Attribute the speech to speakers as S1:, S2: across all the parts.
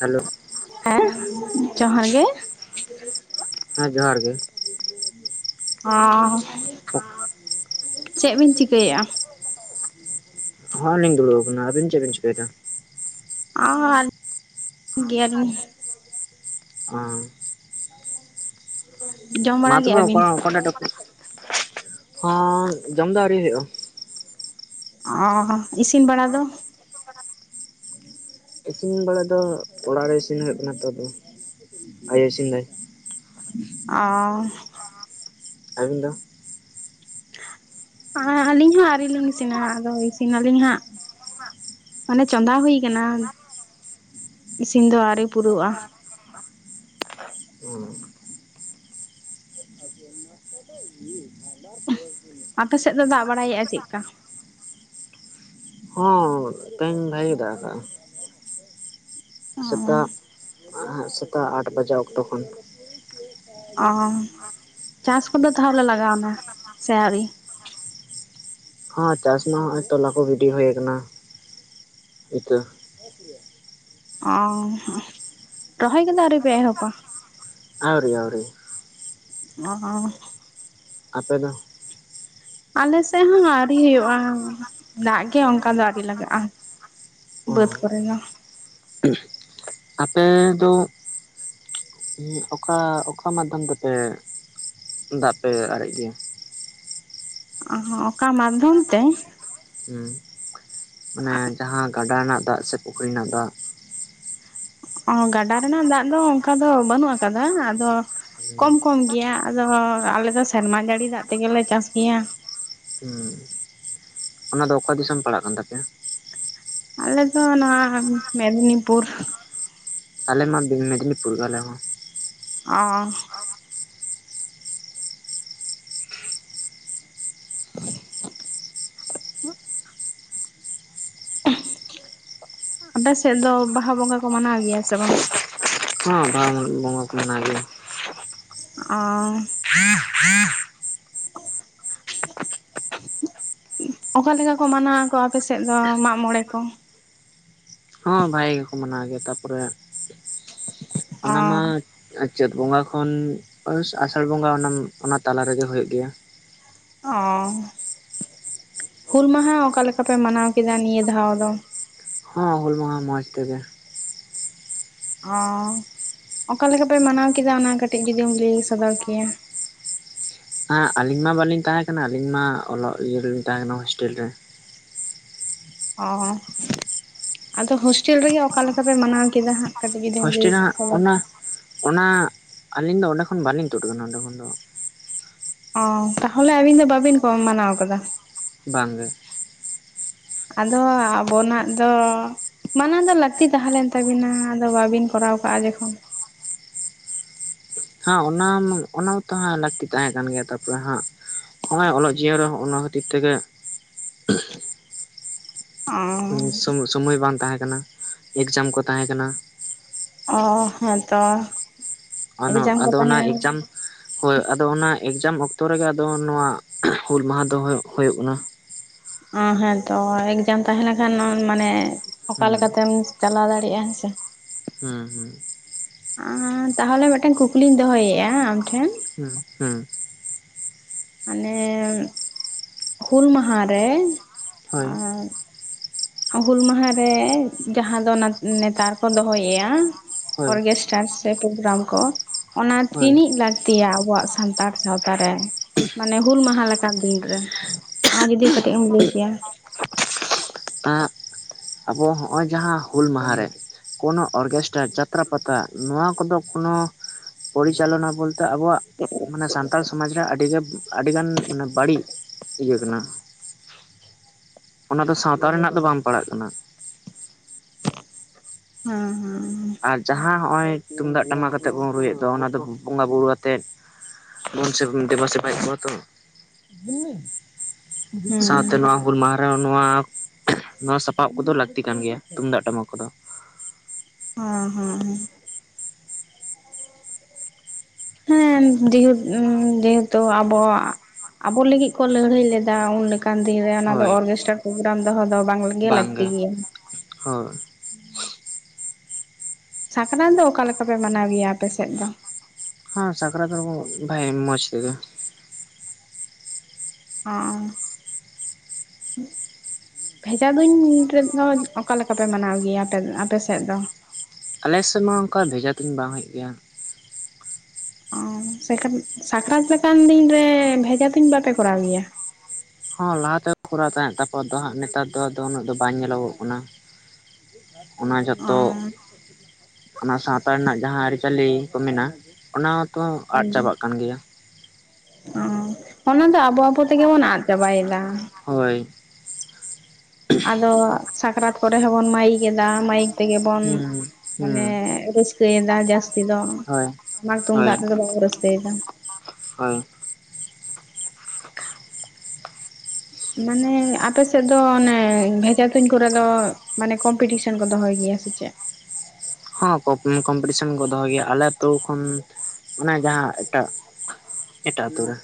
S1: Hello
S2: ᱦᱮᱸ ᱡᱚᱦᱟᱨ ᱜᱮ
S1: ᱦᱮᱸ ᱡᱚᱦᱟᱨ ᱜᱮ
S2: ᱟ
S1: ᱚ
S2: ᱪᱮᱫ ᱵᱤᱱ ᱪᱤᱠᱟᱹᱭᱮᱫᱼᱟ?
S1: ᱦᱚᱸᱞᱤᱧ ᱫᱩᱲᱩᱵ ᱟᱠᱟᱱᱟ ᱟᱹᱵᱤᱱ ᱪᱮᱫ ᱵᱤᱱ ᱪᱤᱠᱟᱹᱭᱮᱫᱟ?
S2: ᱟᱨ [inaudible] ᱜᱮᱭᱟᱞᱤᱧ
S1: ᱟᱸ
S2: ᱡᱚᱢ
S1: ᱢᱟ
S2: ᱵᱟᱲᱟ
S1: ᱛᱚᱵᱮ
S2: ᱠᱮᱜᱼᱟ ᱵᱤᱱ?
S1: ᱚᱠᱟ ᱚᱠᱟᱴᱟᱜ ᱴᱚᱯᱤᱠ ᱦᱚᱸ ᱡᱚᱢ ᱫᱚ ᱟᱹᱣᱨᱤ ᱦᱩᱭᱩᱜᱼᱟ᱾
S2: ᱚ ᱤᱥᱤᱱ ᱵᱟᱲᱟ ᱫᱚ?
S1: ᱤᱥᱤᱱ ᱵᱟᱲᱟ ᱫᱚ ᱚᱲᱟᱜ ᱨᱮ ᱤᱥᱤᱱ ᱦᱩᱭᱩᱜ ᱠᱟᱱᱟ ᱛᱚ ᱟᱭᱳ ᱤᱥᱤᱱ ᱫᱟᱭ
S2: ᱚ
S1: ᱟᱹᱵᱤᱱ ᱫᱚ?
S2: ᱟᱹᱞᱤᱧ ᱦᱚᱸ ᱟᱹᱣᱨᱤ ᱞᱤᱧ ᱤᱥᱤᱱᱟ ᱟᱫᱚ ᱤᱥᱤᱱᱟᱞᱤᱧ ᱦᱟᱸᱜ᱾ ᱢᱟᱱᱮ ᱪᱚᱸᱫᱟ ᱦᱩᱭ ᱟᱠᱟᱱᱟ ᱤᱥᱤᱱ ᱫᱚ ᱟᱹᱣᱨᱤ ᱯᱩᱨᱟᱹᱜᱼᱟ
S1: [unintelligible] [unintelligible]
S2: ᱟᱯᱮ ᱥᱮᱫ ᱫᱚ ᱫᱟᱜ ᱵᱟᱲᱟᱭᱮᱫᱼᱟ ᱪᱮᱫᱠᱟ?
S1: ᱦᱚᱸᱼᱼ ᱵᱷᱟᱹᱜᱤᱭ ᱫᱟᱜ ᱟᱠᱟᱜᱼᱟ᱾ ᱥᱮᱛᱟᱜ ᱥᱮᱛᱟᱜ ᱟᱴ ᱵᱟᱡᱟᱜ ᱚᱠᱛᱚ ᱠᱷᱚᱱ᱾
S2: ᱚ ᱪᱟᱥ ᱠᱚᱫᱚ ᱛᱟᱦᱚᱞᱮ ᱞᱟᱜᱟᱣᱱᱟ ᱥᱮ ᱟᱹᱣᱨᱤ?
S1: ᱦᱚᱸ ᱪᱟᱥ ᱢᱟ ᱦᱚᱸᱜᱼᱚᱭ ᱛᱚᱞᱟᱠᱚ ᱜᱤᱰᱤ ᱦᱩᱭ ᱟᱠᱟᱱᱟ ᱤᱛᱟᱹ [unintelligible] ᱜᱮᱭᱟ ᱾
S2: ᱚᱸ, ᱨᱚᱦᱚᱭ ᱠᱮᱫᱚ ᱟᱹᱣᱨᱤ ᱯᱮ ᱮᱦᱚᱵᱟ?
S1: ᱟᱹᱣᱨᱤ ᱟᱹᱣᱨᱤ ᱾
S2: ᱚ ᱦᱚᱻ
S1: ᱟᱯᱮ ᱫᱚ?
S2: ᱟᱞᱮ ᱥᱮᱫ ᱦᱚᱸ ᱟᱹᱣᱨᱤ ᱦᱩᱭᱩᱜᱼᱟ ᱾ ᱫᱟᱜ ᱜᱮ ᱚᱱᱠᱟ ᱫᱚ ᱟᱹᱣᱨᱤ ᱞᱟᱜᱟᱜᱼᱟ
S1: ᱚ
S2: ᱵᱟᱹᱫᱽ ᱠᱚᱨᱮ ᱫᱚ ᱾
S1: ᱟᱯᱮ ᱫᱚ ᱦᱮᱸ ᱚᱠᱟ ᱚᱠᱟ ᱢᱟᱫᱽᱫᱷᱚᱢ ᱛᱮᱯᱮ ᱫᱟᱜ ᱯᱮ ᱟᱨᱮᱡ ᱜᱮᱭᱟ?
S2: ᱚᱠᱟ ᱢᱟᱫᱽᱫᱷᱚᱢ ᱛᱮ?
S1: ᱦᱩᱸ, ᱢᱟᱱᱮ ᱡᱟᱦᱟᱸ ᱜᱟᱰᱟ ᱨᱮᱱᱟᱜ ᱫᱟᱜ ᱥᱮ ᱯᱩᱠᱷᱨᱤ ᱨᱮᱱᱟᱜ ᱫᱟᱜ?
S2: ᱚ, ᱜᱟᱰᱟ ᱨᱮᱱᱟᱜ ᱫᱟᱜ ᱫᱚ ᱚᱱᱠᱟ ᱫᱚ ᱵᱟᱹᱱᱩᱜ ᱟᱠᱟᱫᱟ ᱾ ᱟᱫᱚ ᱠᱚᱢ ᱠᱚᱢ ᱜᱮᱭᱟ ᱟᱫᱚ ᱟᱞᱮ ᱫᱚ ᱥᱮᱨᱢᱟ ᱡᱟᱹᱲᱤ ᱫᱟᱜ ᱛᱮᱜᱮ ᱞᱮ ᱪᱟᱥ ᱜᱮᱭᱟ ᱾
S1: ᱦᱮᱸ ᱾ ᱚᱱᱟ ᱫᱚ ᱚᱠᱟ ᱫᱤᱥᱚᱢ ᱯᱟᱲᱟᱜ ᱠᱟᱱ ᱛᱟᱯᱮᱭᱟ?
S2: ᱟᱞᱮ ᱫᱚ ᱱᱚᱣᱟ ᱢᱮᱫᱽᱱᱤᱯᱩᱨ ᱾
S1: ᱟᱞᱮ ᱢᱟ ᱢᱮᱫᱽᱱᱤᱯᱩᱨ ᱜᱮ ᱟᱞᱮ ᱦᱚᱸ ᱾
S2: ᱚᱻ [inaudible] [inaudible] ᱟᱯᱮ ᱥᱮᱫ ᱫᱚ ᱵᱟᱦᱟ ᱵᱚᱸᱜᱟ ᱠᱚ ᱢᱟᱱᱟᱣ ᱜᱮᱭᱟ ᱥᱮ ᱵᱟᱝ?
S1: ᱦᱚ, ᱵᱟᱦᱟ [unintelligible] ᱵᱚᱸᱜᱟ ᱠᱚ ᱢᱮᱱᱟᱣ ᱜᱮᱭᱟ ᱾
S2: ᱚᱻ
S1: [inaudible]
S2: ᱚᱠᱟ ᱞᱮᱠᱟ ᱠᱚ ᱢᱟᱱᱟᱣ ᱟᱠᱚ ᱟᱯᱮ ᱥᱮᱫ ᱫᱚ ᱢᱟᱜ ᱢᱚᱬᱮ ᱠᱚ?
S1: ᱦᱚᱸ ᱵᱷᱟᱜᱮ ᱜᱮᱠᱚ ᱢᱟᱱᱟᱣ ᱜᱮᱭᱟ ᱾ ᱛᱟᱯᱚᱨᱮ
S2: ᱚ
S1: ᱚᱱᱟ ᱢᱟ ᱟᱨ ᱪᱟᱹᱛ ᱵᱚᱸᱜᱟ ᱠᱷᱚᱱ ᱟᱥᱟᱲ ᱵᱚᱸᱜᱟ ᱚᱱᱟ ᱚᱱᱟ ᱛᱟᱞᱟ ᱨᱮᱜᱮ ᱦᱳᱭᱳᱜ ᱜᱮᱭᱟ ᱾
S2: ᱚᱻ, ᱦᱩᱞ ᱢᱟᱦᱟ ᱚᱠᱟ ᱞᱮᱠᱟ ᱯᱮ ᱢᱟᱱᱟᱣ ᱠᱮᱫᱟ ᱱᱤᱭᱟᱹ ᱫᱷᱟᱣ ᱫᱚ?
S1: ᱦᱚᱸ ᱦᱩᱞ ᱢᱟᱦᱟ ᱢᱚᱸᱡᱽ ᱛᱮᱜᱮ
S2: ᱚᱻ, ᱚᱠᱟ ᱞᱮᱠᱟ ᱯᱮ ᱢᱟᱱᱟᱣ ᱠᱮᱫᱟ? ᱚᱱᱟ ᱠᱟᱹᱴᱤᱡ ᱡᱩᱫᱤᱢ ᱞᱟᱹᱭ ᱥᱚᱫᱚᱨ ᱠᱮᱭᱟ ᱾
S1: ᱦᱮᱸ ᱟᱹᱞᱤᱧ ᱢᱟ ᱵᱟᱹᱞᱤᱧ ᱛᱟᱦᱮ ᱠᱟᱱᱟ, ᱟᱹᱞᱤᱧ ᱢᱟ ᱚᱞᱚᱜ ᱤᱭᱟᱹ ᱨᱮᱞᱤᱧ ᱛᱟᱦᱮ ᱠᱟᱱᱟ ᱦᱳᱥᱴᱮᱞ ᱨᱮ ᱾
S2: ᱚ ᱟᱫᱚ ᱦᱳᱥᱴᱮᱞ ᱨᱮᱜᱮ ᱚᱠᱟ ᱞᱮᱠᱟ ᱯᱮ ᱢᱟᱱᱟᱣ ᱠᱮᱫᱟ ᱦᱟᱸᱜ ᱾ ᱠᱟᱴᱤᱡ ᱡᱩᱫᱤᱢ ᱞᱟ. ᱭ
S1: ᱦᱳᱥᱴᱮᱞ ᱨᱮ
S2: ᱥᱚᱫᱚᱨ
S1: ᱚᱱᱟ
S2: ᱠᱮ ᱾
S1: ᱚᱱᱟ ᱟᱹᱞᱤᱧ ᱫᱚ ᱚᱸᱰᱮ ᱠᱷᱚᱱ ᱵᱟᱹᱞᱤᱧ ᱛᱩᱫ ᱟᱠᱟᱱᱟ ᱚᱸᱰᱮ ᱠᱷᱚᱱ ᱫᱚ ᱾
S2: ᱚ ᱛᱟᱦᱚᱞᱮ ᱟᱹᱵᱤᱱ ᱫᱚ ᱠᱚ ᱵᱟᱵᱤᱱ ᱢᱟᱱᱟᱣ ᱠᱟᱫᱟ ᱾
S1: ᱵᱟᱝ ᱜᱮ ᱾
S2: ᱟᱫᱚ ᱟᱵᱚᱱᱟᱜ ᱫᱚ ᱢᱟᱱᱟᱣ ᱫᱚ ᱞᱟᱹᱠᱛᱤ ᱛᱟᱦᱮ ᱞᱮᱱ ᱛᱟᱵᱤᱱᱟ ᱾ ᱟᱫᱚ ᱵᱟᱵᱤᱱ ᱠᱚᱨᱟᱣ ᱠᱟᱜᱼᱟ ᱡᱚᱠᱷᱚᱱ
S1: ᱦᱟᱸ ᱚᱱᱟ ᱢᱟ ᱚᱱᱟ ᱢᱟᱛᱚ ᱦᱟᱸᱜ ᱞᱟᱹᱠᱛᱤ ᱛᱟᱦᱮ ᱠᱟᱱ ᱜᱮᱭᱟ ᱾ ᱛᱟᱯᱚᱨᱮ ᱦᱟᱸᱜ ᱦᱚᱸᱜᱚᱭ ᱚᱞᱚᱜ ᱡᱤᱭᱚᱱ ᱨᱮ ᱦᱚᱜ-ᱚᱱᱟ ᱠᱷᱟᱹᱛᱤᱨ ᱛᱮᱜᱮ
S2: ᱚ
S1: ᱥᱚᱢ ᱥᱚᱢᱚᱭ ᱵᱟᱝ ᱛᱟᱦᱮ ᱠᱟᱱᱟ ᱮᱠᱡᱟᱢ ᱠᱚ ᱛᱟᱦᱮ ᱠᱟᱱᱟ ᱾
S2: ᱚ ᱦᱮᱸ ᱛᱚ ᱾
S1: ᱚᱱᱟ ᱟᱫᱚ ᱚᱱᱟ ᱮᱠᱡᱟᱢ ᱦᱳᱭ ᱟᱫᱚ ᱚᱱᱟ ᱮᱠᱡᱟᱢ ᱚᱠᱛᱚ ᱨᱮᱜᱮ, ᱟᱫᱚ ᱱᱚᱣᱟ ᱦᱩᱞ ᱢᱟᱦᱟ ᱫᱚ ᱦᱳᱭᱳᱜ ᱠᱟᱱᱟ ᱾
S2: ᱚ ᱦᱮᱸ ᱛᱚ ᱮᱠᱡᱟᱢ ᱛᱟᱦᱮᱸ ᱞᱮᱱᱠᱷᱟᱱ ᱢᱟᱱᱮ ᱚᱠᱟ
S1: ᱦᱩᱸ
S2: ᱞᱮᱠᱟ ᱛᱮᱢ ᱪᱟᱞᱟᱣ ᱫᱟᱲᱮᱭᱟᱜ-ᱟ ᱦᱮᱸᱥᱮ ᱾
S1: ᱦᱩᱸᱻᱦᱩᱸᱻ
S2: ᱛᱟᱦᱚᱞᱮ ᱢᱤᱫᱴᱟᱱ ᱠᱩᱠᱞᱤᱧ ᱫᱚᱦᱚᱭᱮᱫᱼᱟ ᱟᱢᱴᱷᱮᱱ
S1: ᱦᱩᱸ ᱦᱩᱸ
S2: ᱟᱞᱮ ᱦᱮᱸ᱾ ᱦᱩᱞ ᱢᱟᱦᱟ ᱨᱮ
S1: ᱦᱳᱭ᱾
S2: ᱟᱨ ᱦᱩᱞ ᱢᱟᱦᱟ ᱨᱮ ᱡᱟᱦᱟᱸ ᱫᱚ ᱱᱮᱛᱟᱨ ᱠᱚ ᱫᱚᱦᱚᱭᱮᱭᱟ
S1: ᱦᱳᱭ
S2: ᱚᱨᱜᱮᱥ ᱪᱟ ᱥᱮ ᱯᱨᱳᱜᱨᱟᱢ ᱠᱚ ᱚᱱᱟ
S1: ᱦᱳᱭ
S2: ᱛᱤᱱᱤᱜ ᱞᱟᱠ ᱞᱟᱹᱠᱛᱤᱭᱟ ᱟᱵᱚᱣᱟᱜ ᱥᱟᱱᱛᱟᱲ ᱥᱟᱶᱛᱟ ᱨᱮ ᱢᱟᱱᱮ ᱦᱩᱞ ᱢᱟᱦᱟ ᱞᱮᱠᱟᱱ ᱫᱤᱱ ᱨᱮ ᱚᱱᱟ ᱡᱩᱫᱤ ᱠᱟᱹᱴᱤᱡ ᱮᱢ ᱞᱟᱹᱭ ᱠᱮᱭᱟ
S1: ᱮᱸ ᱟᱵᱚ ᱦᱚᱸᱜᱼᱚᱭ ᱡᱟᱦᱟᱸ ᱦᱩᱞ ᱢᱟᱦᱟ ᱨᱮ ᱠᱳᱱᱳ ᱚᱨᱜᱮᱥᱴᱟᱨ ᱡᱟᱛᱨᱟ ᱯᱟᱛᱟ ᱱᱚᱣᱟ ᱠᱚᱫᱚ ᱠᱳᱱᱳ ᱯᱚᱨᱤᱪᱟᱞᱚᱱᱟ ᱵᱚᱞ ᱱᱤᱛᱚᱜ ᱟᱵᱚᱣᱟᱜ ᱢᱟᱱᱮ ᱥᱟᱱᱛᱟᱲ ᱥᱚᱢᱟᱡᱽ ᱨᱮ ᱟᱹᱰᱤ ᱟᱹᱰᱤ ᱜᱟᱱ ᱢᱟᱱᱮ ᱵᱟᱹᱲᱤᱡ ᱤᱭᱟᱹ ᱠᱟᱱᱟ᱾ ᱚᱱᱟ ᱫᱚ ᱥᱟᱶᱛᱟ ᱨᱮᱱᱟᱜ ᱫᱚ ᱵᱟᱝ ᱯᱟᱲᱟᱜ ᱠᱟᱱᱟ᱾
S2: ᱦᱮᱸᱻᱦᱮᱸᱻ
S1: ᱟᱨ ᱡᱟᱦᱟᱸ ᱦᱚᱸᱜ ᱚᱭ ᱛᱩᱢᱫᱟᱜ ᱴᱟᱢᱟᱠ ᱟᱛᱮᱫ ᱵᱚᱱ ᱨᱩᱭᱮᱫ ᱫᱚ ᱚᱱᱟ ᱫᱚ ᱵᱚᱸᱜᱟ ᱵᱩᱨᱩ ᱟᱛᱮᱫ ᱢᱚᱱ ᱥᱮ ᱫᱮᱵᱟ ᱥᱮᱵᱟᱭ ᱠᱚᱣᱟ ᱛᱚ ᱥᱟᱶᱛᱮ
S2: ᱦᱮᱸ
S1: ᱱᱚᱣᱟ ᱦᱩᱞ ᱢᱟᱦᱟ ᱟᱨ ᱱᱚᱣᱟ ᱱᱚᱣᱟ ᱥᱟᱯᱟᱵ ᱠᱚᱫᱚ ᱞᱟᱹᱠᱛᱤ ᱠᱟᱱ ᱜᱮᱭᱟ ᱛᱩᱢᱫᱟᱜ ᱴᱟᱢᱟᱠ ᱠᱚᱫᱚ
S2: ᱦᱚᱸ ᱦᱮᱸ ᱦᱮᱸ ᱦᱮᱸ ᱡᱮ ᱡᱮᱦᱮᱛᱩ ᱟᱵᱚᱣᱟᱜ ᱟᱵᱚ ᱞᱟᱹᱜᱤᱫ ᱠᱚ ᱞᱟᱹᱲᱦᱟᱹᱭ ᱞᱮᱫᱟ ᱩᱱ ᱚᱱᱠᱟᱱ ᱫᱤᱱ ᱨᱮ ᱚᱱᱟ ᱫᱚ
S1: ᱦᱳᱭ
S2: ᱚᱨᱜᱮᱥᱴᱟᱨ ᱯᱨᱳᱜᱨᱟᱢ ᱫᱚᱦᱚ ᱫᱚ ᱵᱟᱝ ᱜᱮ ᱞᱟᱹᱠᱛᱤ
S1: ᱵᱟᱝᱜᱮ
S2: ᱜᱮᱭᱟ
S1: ᱦᱳᱭ
S2: ᱥᱟᱠᱨᱟᱛ ᱫᱚ ᱚᱠᱟ ᱞᱮᱠᱟ ᱯᱮ ᱢᱟᱱᱟᱣ ᱜᱮᱭᱟ ᱟᱯᱮ ᱥᱮᱫ ᱫᱚ
S1: ᱦᱚᱸ ᱥᱟᱠᱨᱟᱛ ᱨᱮᱫᱚ ᱵᱷᱟᱜᱮ ᱢᱚᱡᱽ ᱛᱮᱜᱮ
S2: ᱚᱸᱻ ᱵᱷᱮᱡᱟ ᱫᱩᱧ ᱨᱮᱫᱚ ᱚᱠᱟ ᱞᱮᱠᱟ ᱯᱮ ᱢᱟᱱᱟᱣ ᱜᱮᱭᱟ ᱟᱯᱮ ᱟᱯᱮ ᱥᱮᱫ ᱫᱚ
S1: ᱟᱞᱮ ᱥᱮᱫ ᱢᱟ ᱚᱱᱠᱟ ᱵᱷᱮᱡᱟ ᱛᱩᱧ ᱵᱟᱝ ᱦᱩᱭᱩᱜ ᱜᱮᱭᱟ
S2: ᱟᱶ ᱥᱟᱠ ᱥᱟᱠᱨᱟᱛ ᱞᱮᱠᱟᱱ ᱫᱤᱱ ᱨᱮ ᱵᱷᱮᱡᱟ ᱛᱩᱧ ᱫᱤᱱ ᱵᱟᱯᱮ ᱠᱚᱨᱟᱣ ᱜᱮᱭᱟ
S1: ᱦᱚᱸ ᱞᱟᱦᱟᱛᱮ ᱯᱷᱚᱨᱟᱣ ᱛᱟᱦᱮᱸᱫ ᱛᱟᱠᱚᱣᱟ ᱛᱚ ᱦᱟᱸᱜ ᱱᱮᱛᱟᱨ ᱫᱚ ᱟᱫᱚ ᱩᱱᱟᱹᱜ ᱫᱚ ᱵᱟᱝ ᱧᱮᱞᱚᱜᱚᱜ ᱠᱟᱱᱟ᱾ ᱚᱱᱟ
S2: ᱚ
S1: ᱡᱚᱛᱚ ᱚᱱᱟ ᱥᱟᱶᱛᱟ ᱨᱮᱱᱟᱜ ᱡᱟᱦᱟᱸ ᱟᱹᱨᱤᱪᱟᱹᱞᱤ ᱠᱚ ᱢᱮᱱᱟᱜ ᱚᱱᱟ ᱦᱚᱛᱚ ᱟᱫ ᱪᱟᱵᱟᱜ ᱠᱟᱱ ᱜᱮᱭᱟ
S2: ᱚᱸᱻ ᱚᱱᱟ ᱫᱚ ᱟᱵᱚ ᱟᱵᱚ ᱛᱮᱜᱮ ᱵᱚᱱ ᱟᱫ ᱪᱟᱵᱟᱭᱮᱫᱟ᱾
S1: ᱦᱳᱭ
S2: ᱟᱫᱚ ᱥᱟᱠᱨᱟᱛ ᱠᱚᱨᱮ ᱦᱚᱸᱵᱚᱱ ᱢᱟᱹᱭᱤᱠ ᱮᱫᱟ ᱢᱟᱹᱭᱤᱠ ᱛᱮᱜᱮ ᱵᱚᱱ
S1: ᱦᱩᱸ
S2: ᱢᱟᱱᱮ
S1: ᱦᱩᱸ
S2: ᱨᱟᱹᱥᱠᱟᱹᱭᱮᱫᱟ ᱡᱟᱹᱥ ᱪᱮᱫᱚᱜ
S1: ᱦᱳᱭ
S2: ᱴᱟᱢᱟᱠ
S1: ᱦᱳᱭ
S2: ᱛᱩᱢᱫᱟᱜ ᱛᱮᱫᱚ ᱵᱟᱵᱚ ᱨᱟᱹᱥᱠᱟᱹᱭᱮᱫᱟ
S1: ᱦᱳᱭ
S2: ᱢᱟᱱᱮ ᱟᱯᱮ ᱥᱮᱫ ᱫᱚ ᱚᱱᱮ ᱵᱷᱮᱡᱟ ᱛᱩᱧ ᱠᱚᱨᱮ ᱫᱚ ᱢᱟᱱᱮ ᱠᱚᱢᱯᱤᱴᱤᱥᱚᱱ ᱠᱚ ᱫᱚᱦᱚᱭ ᱜᱮᱭᱟ ᱥᱮ ᱪᱮᱫ
S1: ᱦᱚᱸ ᱠᱚ ᱠᱚᱢᱯᱤᱴᱤᱥᱮᱱ ᱠᱚ ᱫᱚᱦᱚ ᱜᱮᱭᱟ ᱟᱞᱮ ᱟᱹᱛᱩ ᱠᱷᱚᱱ ᱚᱱᱮ ᱡᱟᱦᱟᱸ ᱮᱴᱟᱜ ᱮᱴᱟᱜ ᱟᱹᱛᱳ ᱨᱮ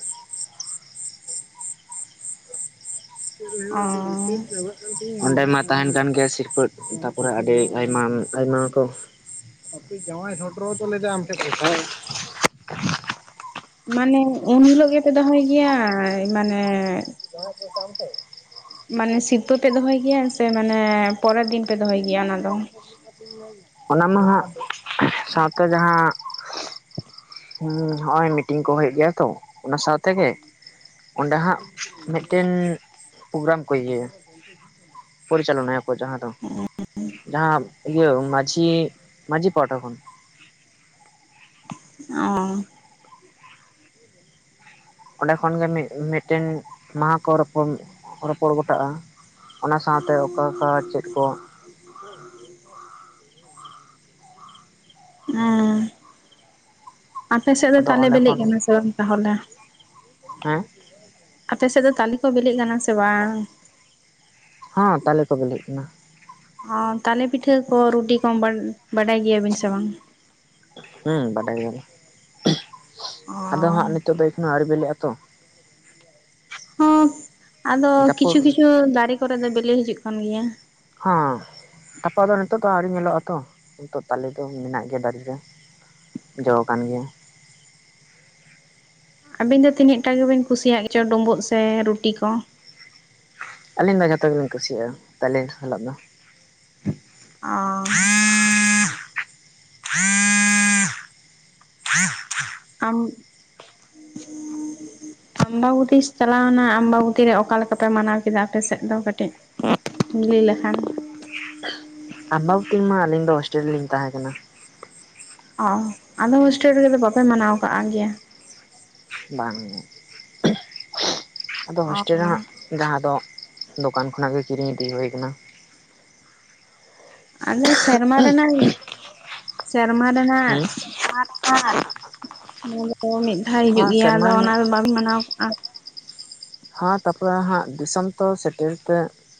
S2: ᱚ
S1: [unintelligible] ᱚᱱᱰᱮ ᱢᱟ ᱛᱟᱦᱮᱱ ᱠᱟᱱ ᱜᱮᱭᱟ ᱥᱤᱨᱯᱟᱹ ᱛᱟᱨᱯᱚᱨᱮ ᱟᱹᱰᱤ ᱟᱭᱢᱟ ᱟᱭᱢᱟ ᱠᱚ ᱟ ᱡᱮᱶᱟᱭ ᱥᱴᱮᱨ ᱛ ᱞᱮᱫ ᱟᱢ ᱠᱚ [unintelligible]
S2: ᱢᱟᱱᱮ ᱩᱱ ᱦᱤᱞᱳᱜ ᱜᱮᱯᱮ ᱫᱚᱦᱚᱭ ᱜᱮᱭᱟ? ᱢᱟᱱᱮᱼᱼ
S1: [unintelligible]
S2: ᱢᱟᱱᱮ ᱥᱤᱨᱯᱟᱹ ᱯᱮ ᱫᱚᱦᱚᱭ ᱜᱮᱭᱟ ᱥᱮ ᱢᱟᱱᱮ ᱯᱚᱨᱮ ᱫᱤᱱ ᱯᱮ ᱫᱚᱦᱚᱭ ᱜᱮᱭᱟ ᱚᱱᱟ ᱫᱚ?
S1: [inaudible] ᱚᱱᱟ ᱢᱟ ᱦᱟᱸᱜ ᱥᱟᱶᱛᱮ ᱡᱟᱦᱟᱸᱼᱼ ᱦᱸ ᱦᱚᱜ ᱚᱭ ᱢᱤᱴᱤᱝ ᱠᱚ ᱦᱩᱭᱩᱜ ᱜᱮᱭᱟ ᱛᱚ ᱚᱱᱟ ᱥᱟᱶ ᱛᱮᱜᱮᱼᱼ ᱚᱸᱰᱮ ᱦᱟᱸᱜ ᱢᱤᱫᱴᱮᱱ ᱯᱨᱳᱜᱨᱟᱢ ᱠᱚ ᱤᱭᱟᱹᱭᱟᱼᱼ ᱯᱚᱨᱤᱪᱟᱞᱚᱱᱟᱭ ᱟᱠᱚ ᱡᱟᱦᱟᱸ ᱫᱚ, ᱡᱟᱦᱟᱸ ᱤᱭᱟᱹ ᱢᱟᱺᱡᱷᱤ ᱢᱟᱺᱡᱷᱤ ᱯᱟᱦᱴᱟ ᱠᱷᱚᱱ
S2: ᱚᱻ
S1: ᱚᱸᱰᱮ ᱠᱷᱚᱱ ᱜᱮ ᱢᱤ ᱢᱤᱫᱴᱮᱱ ᱢᱟᱦᱟ ᱠᱚ ᱨᱚᱯᱚᱲ ᱨᱚᱯᱚᱲ ᱜᱚᱴᱟᱜᱼᱟ᱾ ᱚᱱᱟ ᱥᱟᱶᱛᱮ ᱚᱠᱟ ᱠᱟ ᱪᱮᱫ ᱠᱚ [inaudible]
S2: ᱦᱮᱸ ᱟᱯᱮ ᱥᱮᱫ ᱫᱚ
S1: ᱟᱫᱚ
S2: ᱛᱟᱞᱮ
S1: ᱚᱸᱰᱮ
S2: ᱵᱤᱞᱤᱜ
S1: ᱠᱷᱚᱱ
S2: ᱠᱟᱱᱟ ᱥᱮ ᱵᱟᱝ ᱛᱟᱦᱚᱞᱮ?
S1: ᱦᱮᱸ?
S2: ᱟᱯᱮ ᱥᱮᱫ ᱫᱚ ᱛᱟᱞᱮ ᱠᱚ ᱵᱤᱞᱤᱜ ᱠᱟᱱᱟ ᱥᱮ ᱵᱟᱝ?
S1: ᱦᱚᱸ ᱛᱟᱞᱮ ᱠᱚ ᱵᱤᱞᱤᱜ ᱠᱟᱱᱟ᱾
S2: ᱚᱻ ᱛᱟᱞᱮ ᱯᱤᱴᱷᱟᱹ ᱠᱚ ᱨᱩᱴᱤ ᱠᱚᱢ ᱵᱟᱰᱟᱭ ᱜᱮᱭᱟ ᱵᱤᱱ ᱥᱮ ᱵᱟᱝ?
S1: ᱦᱮᱸ ᱵᱟᱰᱟᱭ ᱜᱮᱭᱟ ᱞᱤᱧ
S2: ᱚ
S1: ᱟᱫᱚ ᱦᱟᱜ ᱱᱤᱛᱚᱜ ᱫᱚ ᱮᱠᱷᱚᱱᱳ ᱟᱹᱣᱨᱤ ᱵᱤᱞᱤᱜᱼᱟ ᱛᱚ᱾
S2: ᱦᱚᱸ ᱟᱫᱚ ᱠᱤᱪᱷᱩ
S1: ᱡᱟᱹᱯᱩᱫ
S2: ᱠᱤᱪᱷᱩ ᱫᱟᱨᱮ ᱠᱚᱨᱮ ᱫᱚ ᱵᱤᱞᱤ ᱦᱤᱡᱩᱜ ᱠᱟᱱ ᱜᱮᱭᱟ᱾
S1: ᱦᱟᱸ ᱛᱟᱯᱚᱨ ᱫᱚ ᱱᱤᱛᱚᱜ ᱫᱚ ᱟᱣᱨᱤ ᱧᱮᱞᱚᱜᱼᱟ ᱛᱚ ᱱᱤᱛᱚᱜ ᱛᱟᱞᱮ ᱫᱚ ᱢᱮᱱᱟᱜ ᱜᱮᱭᱟ ᱫᱟᱨᱮ ᱨᱮ ᱡᱚ ᱠᱟᱱ ᱜᱮᱭᱟ᱾
S2: ᱟᱹᱵᱤᱱ ᱫᱚ ᱛᱤᱱᱟᱹᱜ ᱴᱟ ᱜᱮᱵᱤᱱ ᱠᱩᱥᱤᱭᱟᱜ ᱜᱮᱪᱚ ᱰᱩᱢᱵᱩᱜ ᱥᱮ ᱨᱩᱴᱤ ᱠᱚ?
S1: ᱟᱹᱞᱤᱧ ᱫᱚ ᱡᱚᱛᱚ ᱜᱮᱞᱤᱧ ᱠᱩᱥᱤᱭᱟᱜᱼᱟ ᱛᱟᱞᱮ ᱥᱟᱞᱟᱜ ᱫᱚ
S2: ᱚᱻ ᱟᱢᱻ
S1: [inaudible]
S2: ᱟᱢᱵᱟᱵᱚᱛᱤ ᱪᱟᱞᱟᱣᱱᱟ ᱟᱢᱵᱟᱵᱚᱛᱤ ᱨᱮ ᱚᱠᱟ ᱞᱮᱠᱟ ᱯᱮ ᱢᱟᱱᱟᱣ ᱠᱮᱫᱟ ᱟᱯᱮ ᱥᱮᱫ ᱫᱚ ᱠᱟᱹᱴᱤᱡ? [unintelligible] ᱞᱮ ᱞᱮᱠᱷᱟᱱ
S1: ᱟᱸᱵᱟᱵᱩᱛᱤ ᱨᱮᱢᱟ ᱟᱞᱤᱧ ᱫᱚ ᱦᱳᱥᱴᱮᱞ ᱨᱮᱞᱤᱧ ᱛᱟᱦᱮᱸ ᱠᱟᱱᱟ᱾
S2: ᱚ ᱟᱫᱚ ᱦᱳᱥᱴᱮᱞ ᱨᱮᱜᱮ ᱫᱚ ᱵᱟᱯᱮ ᱢᱟᱱᱟᱣ ᱠᱟᱜᱼᱟ ᱜᱮᱭᱟ?
S1: ᱵᱟᱝ ᱟᱫᱚ ᱦᱳᱥᱴᱮᱞ ᱨᱮ
S2: ᱚ
S1: ᱦᱟᱸᱜᱼᱼ ᱡᱟᱦᱟᱸ ᱫᱚ ᱫᱚᱠᱟᱱ ᱠᱷᱚᱱᱟᱜ ᱜᱮ ᱠᱤᱨᱤᱧ ᱤᱫᱤ ᱦᱳᱭ ᱠᱟᱱᱟ᱾
S2: ᱟᱫᱚ ᱥᱮᱨᱢᱟ ᱨᱮᱱᱟᱝ ᱥᱮᱨᱢᱟ ᱨᱮᱱᱟᱜ
S1: [unintelligible]
S2: ᱱᱟᱣᱟ ᱫᱚ ᱢᱤᱫ ᱫᱷᱟᱣ ᱦᱤᱡᱩᱜ ᱜᱮᱭᱟ
S1: ᱥᱮᱨᱢᱟ
S2: ᱟᱫᱚ
S1: ᱨᱮᱱᱟᱜ
S2: ᱚᱱᱟ ᱫᱚ ᱵᱟᱝ ᱢᱟᱱᱟᱣ ᱠᱟᱜᱼᱟ
S1: ᱦᱟᱸ ᱛᱟᱯᱚᱨᱮ ᱦᱟᱸᱜ ᱫᱤᱥᱚᱢ ᱛᱚ ᱥᱮᱴᱮᱨ ᱛᱮ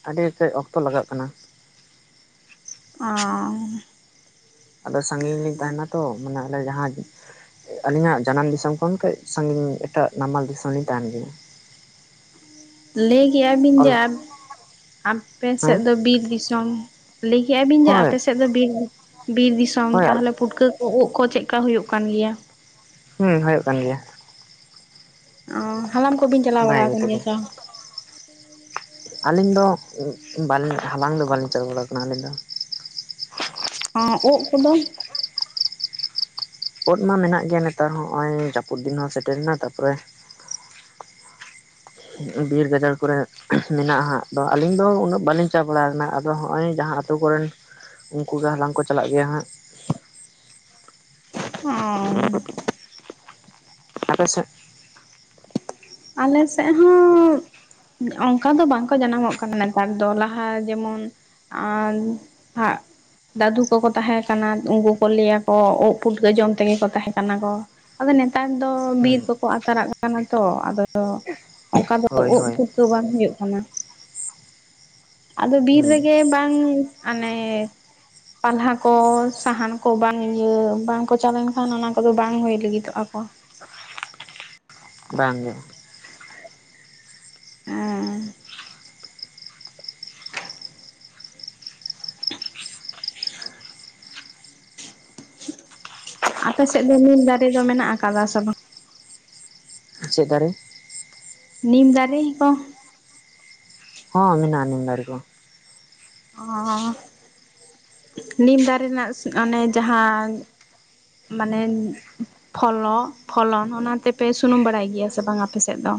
S1: ᱟᱰᱤ ᱛᱮᱡ ᱚᱠᱛᱚ ᱞᱟᱜᱟᱜ ᱠᱟᱱᱟ᱾
S2: ᱟᱸ
S1: ᱟᱫᱚ ᱥᱟᱺᱜᱤᱧ ᱨᱮᱤᱧ ᱛᱟᱦᱮᱱᱟ ᱛᱚ ᱢᱟᱱᱮ ᱚᱞᱮ ᱡᱟᱦᱟᱸ ᱟᱞᱤᱧᱟᱜ ᱡᱟᱱᱟᱢ ᱫᱤᱥᱚᱢ ᱠᱷᱚᱱ ᱠᱟᱹᱡ ᱥᱟᱺᱜᱤᱧ ᱮᱴᱟᱜ ᱱᱟᱢᱟᱞ ᱫᱤᱥᱚᱢ ᱞᱤᱧ ᱛᱟᱦᱮᱱ ᱜᱮᱭᱟ᱾
S2: ᱞᱟᱹᱭ ᱠᱮᱜᱼᱟᱵᱤᱱ
S1: ᱚᱞ
S2: ᱡᱮ ᱟᱯ ᱟᱯᱮ ᱥᱮᱫ
S1: ᱦᱮᱸ
S2: ᱫᱚ ᱵᱤᱨ ᱫᱤᱥᱚᱢ ᱞᱟᱹᱭ ᱠᱮᱜᱼᱟ ᱵᱤᱱ ᱡᱮ
S1: ᱦᱳᱭ
S2: ᱟᱯᱮ ᱥᱮᱫ ᱫᱚ ᱵᱤᱨ ᱵᱤᱨ ᱫᱤᱥᱚᱢ
S1: ᱦᱳᱭ
S2: ᱛᱟᱦᱮᱞᱮᱼᱼ ᱯᱩᱴᱠᱟᱹ ᱠᱚ ᱳᱜ ᱠᱚ ᱪᱮᱜ ᱠᱟ ᱦᱳᱭᱳᱜ ᱠᱟᱱ ᱜᱮᱭᱟ?
S1: ᱦᱩᱸ ᱦᱳᱭᱳᱜ ᱠᱟᱱ ᱜᱮᱭᱟ᱾
S2: ᱚ ᱦᱟᱞᱟᱢ ᱠᱚᱵᱤᱱ ᱪᱟᱞᱟᱣ ᱵᱟᱲᱟ
S1: ᱵᱷᱟᱜᱮ
S2: ᱠᱟᱱ ᱜᱮᱭᱟ ᱥᱮ ᱵᱟᱝ?
S1: ᱟᱞᱤᱧ ᱫᱚ ᱵᱟᱞ ᱦᱟᱞᱟᱝ ᱫᱚ ᱵᱟᱞᱤᱧ ᱪᱟᱞᱟ ᱵᱟᱲᱟ ᱠᱟᱱᱟ ᱟᱞᱤᱧ ᱫᱚ
S2: ᱚᱸ ᱳᱜ ᱠᱚᱫᱚ
S1: ᱳᱫ ᱢᱟ ᱢᱮᱱᱟᱜ ᱜᱮᱭᱟ ᱱᱮᱛᱟᱨ ᱦᱚᱸ ᱱᱚᱜ ᱚᱭ ᱡᱟᱯᱩᱫ ᱫᱤᱱ ᱦᱚᱸ ᱥᱮᱴᱮᱨ ᱮᱱᱟ ᱛᱟᱯᱚᱨᱮ ᱼᱼ ᱵᱤᱨ ᱜᱟᱡᱟᱲ ᱠᱚᱨᱮ ᱢᱮᱱᱟᱜᱼᱟ ᱦᱟᱸᱜ ᱛᱚ ᱟᱞᱤᱧ ᱫᱚ ᱩᱱᱟᱹᱜ ᱵᱟᱞᱤᱧ ᱪᱟ ᱵᱟᱲᱟ ᱠᱟᱱᱟ ᱟᱫᱚ ᱦᱚᱸᱜᱼᱚᱭ ᱡᱟᱦᱟᱸ ᱼᱼ ᱟᱛᱳ ᱠᱚᱨᱮᱱ ᱩᱱᱠᱩ ᱜᱮ ᱦᱟᱞᱟᱝ ᱠᱚ ᱪᱟᱞᱟᱜ ᱜᱮᱭᱟ ᱦᱟᱸᱜ
S2: ᱚᱸ
S1: ᱟᱯᱮ ᱥᱮᱫ
S2: ᱟᱞᱮ ᱥᱮᱜ ᱦᱚᱸ ᱚᱝᱠᱟ ᱫᱚ ᱵᱟᱝ ᱠᱚ ᱡᱟᱱᱟ ᱢᱚᱜ ᱠᱟᱱᱟ ᱱᱮᱛᱟᱨ ᱫᱚ ᱞᱟᱦᱟ ᱡᱮᱢᱚᱱ ᱼᱼ ᱟᱱ ᱯᱷᱟᱜ ᱫᱟᱫᱩ ᱠᱚᱠᱚ ᱛᱟᱦᱮᱸ ᱠᱟᱱᱟ ᱩᱱᱠᱩ ᱠᱚ ᱞᱟᱹᱭ ᱟᱠᱚ ᱳᱜ ᱯᱩᱴᱠᱟᱹ ᱡᱚᱢ ᱛᱮᱜᱮ ᱠᱚ ᱛᱟᱦᱮᱸ ᱠᱟᱱᱟ ᱠᱚ ᱟᱫᱚ ᱱᱮᱛᱟᱨ ᱫᱚ
S1: ᱦᱮᱸ
S2: ᱵᱤᱨ ᱠᱚᱠᱚ ᱟᱛᱟᱨᱟᱜ ᱠᱟᱱᱟ ᱛᱚ ᱟᱫᱚ ᱚᱝᱠᱟ ᱫᱚ
S1: ᱦᱳᱭ
S2: ᱳᱜ ᱯᱩᱼᱼ
S1: ᱦᱳᱭ
S2: ᱯᱩᱴᱠᱟᱹ ᱵᱟᱝ ᱦᱳᱭᱳᱜ ᱠᱟᱱᱟ᱾ ᱟᱫᱚ ᱵᱤᱨ
S1: ᱦᱩᱸ
S2: ᱨᱮᱜᱮ ᱵᱟᱝ ᱟᱱᱮ ᱼᱼ ᱯᱟᱞᱦᱟ ᱠᱚ ᱥᱟᱦᱟᱱ ᱠᱚ ᱵᱟᱝ ᱤᱭᱟᱹ ᱵᱟᱝ ᱪᱟᱞᱟᱣ ᱞᱮᱱ ᱠᱷᱟᱱ ᱚᱱᱟ ᱠᱚᱫᱚ ᱵᱟᱝ ᱦᱳᱭ ᱞᱟᱹᱜᱤᱫᱚᱜᱼᱟ ᱠᱚ
S1: ᱵᱟᱝ ᱜᱮ
S2: ᱦᱮᱸ ᱟᱯᱮ ᱥᱮᱫ ᱫᱚ ᱱᱤᱢ ᱫᱟᱨᱮ ᱫᱚ ᱢᱮᱱᱟᱜ ᱠᱟᱫᱟ ᱥᱮ ᱵᱟᱝ?
S1: ᱪᱮᱫ ᱫᱟᱨᱮ?
S2: ᱱᱤᱢ ᱫᱟᱨᱮ ᱠᱚ?
S1: ᱦᱚᱸ ᱢᱮᱱᱟᱜ-ᱟ ᱱᱤᱢ ᱫᱟᱨᱮ ᱠᱚ,
S2: ᱚᱸ ᱱᱤᱢ ᱫᱟᱨᱮ ᱱᱟᱜ ᱚᱱᱮ ᱡᱟᱦᱟᱸ ᱼᱼ ᱢᱟᱱᱮ ᱯᱷᱚᱞᱚ ᱯᱷᱚᱞᱚᱱ ᱚᱱᱟ ᱛᱮᱯᱮ ᱥᱩᱱᱩᱢ ᱵᱟᱲᱟᱭ ᱜᱮᱭᱟ ᱥᱮ ᱵᱟᱝ ᱟᱯᱮ ᱥᱮᱫ ᱫᱚ?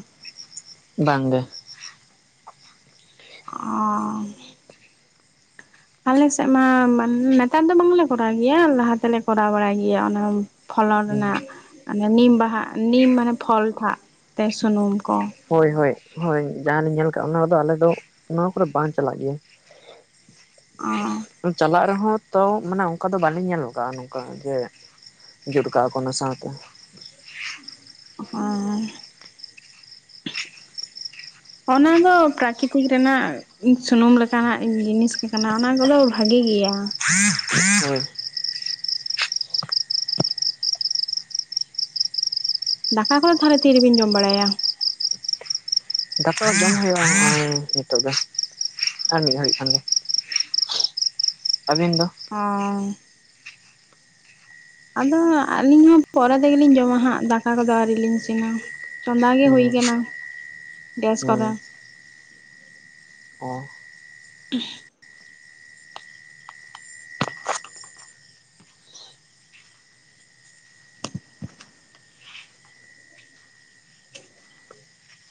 S1: ᱵᱟᱝ ᱜᱮ,
S2: ᱚᱸ ᱟᱞᱮ ᱥᱮᱜ ᱢᱟ ᱱᱮᱛᱟᱨ ᱫᱚ ᱵᱟᱝᱞᱮ ᱠᱚᱨᱟᱣ ᱜᱮᱭᱟ ᱞᱟᱦᱟ ᱛᱮᱞᱮ ᱠᱚᱨᱟᱣ ᱵᱟᱲᱟᱭ ᱜᱮᱭᱟ ᱚᱱᱟ᱾ ᱯᱷᱚᱞᱚᱱ ᱨᱮᱱᱟᱜ ᱚᱱᱮ ᱱᱤᱢ ᱵᱟᱦᱟ ᱱᱤᱢ ᱢᱟᱱᱮ ᱯᱷᱚᱞ ᱴᱷᱟᱜ ᱛᱮ ᱥᱩᱱᱩᱢ ᱠᱚ
S1: ᱦᱳᱭ ᱦᱳᱭ ᱦᱳᱭ ᱡᱟᱦᱟᱸ ᱞᱤᱧ ᱧᱮᱞ ᱠᱟᱜ ᱚᱱᱟ ᱠᱚᱫᱚ ᱟᱞᱮ ᱫᱚ ᱱᱚᱣᱟ ᱠᱚᱨᱮ ᱵᱟᱝ ᱪᱟᱞᱟᱜ ᱜᱮᱭᱟ᱾
S2: ᱚᱸ
S1: ᱪᱟᱞᱟᱜ ᱨᱮᱦᱚᱸ ᱛᱚ ᱢᱟᱱᱮ ᱚᱝᱠᱟ ᱫᱚ ᱵᱟᱞᱤᱧ ᱧᱮᱞ ᱠᱟᱜᱼᱟ ᱱᱚᱝᱠᱟ ᱡᱮᱼᱼ ᱡᱩᱰ ᱠᱟ ᱚᱱᱟ ᱥᱟᱶ ᱛᱮ
S2: ᱦᱚᱸ
S1: [unintelligible]
S2: ᱚᱱᱟ ᱫᱚ ᱯᱨᱟᱠᱤᱛᱤᱠ ᱨᱮᱱᱟᱜᱼᱼ ᱥᱩᱱᱩᱢ ᱞᱮᱠᱟᱱᱟᱜ ᱡᱤᱱᱤᱥ ᱠᱟᱱᱟ ᱚᱱᱟ ᱠᱚᱫᱚ ᱵᱷᱟᱹᱜᱤ ᱜᱮᱭᱟ᱾
S1: [unintelligible] ᱦᱩᱸ
S2: ᱫᱟᱠᱟ ᱠᱚᱫᱚ ᱛᱟᱦᱚᱞᱮ ᱛᱤ ᱨᱮᱵᱤᱱ ᱡᱚᱢ ᱵᱟᱲᱟᱭᱟ?
S1: ᱫᱟᱠᱟ ᱡᱚᱢ ᱦᱩᱭᱩᱜᱼᱟ ᱱᱤᱛᱳ ᱜᱮ ᱟᱨ ᱢᱤᱫ ᱜᱷᱟᱣᱟᱹᱲᱤᱡ ᱠᱷᱟᱱ ᱜᱮᱭ ᱟᱹᱵᱤᱱ ᱫᱚ?
S2: ᱚᱻ ᱟᱫᱚ ᱟᱹᱞᱤᱧ ᱦᱚᱸ ᱯᱚᱨᱮ ᱛᱮᱜᱮᱞᱤᱧ ᱡᱚᱢᱟ ᱦᱟᱸᱜ ᱫᱟᱠᱟ ᱠᱚᱫᱚ ᱟᱣ ᱞᱤᱧ ᱤᱥᱤᱱᱟ᱾ ᱪᱚᱸᱫᱟ ᱜᱮ ᱦᱩᱭ
S1: ᱦᱩᱸ
S2: ᱟᱠᱟᱱᱟ ᱜᱮᱥ
S1: ᱦᱩᱸ
S2: ᱠᱚᱨᱮᱼᱼ
S1: ᱚ
S2: [unintelligible] [unintelligible]